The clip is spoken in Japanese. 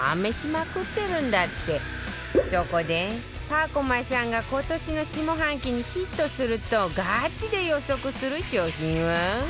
そこで『パコマ』さんが今年の下半期にヒットするとガチで予測する商品は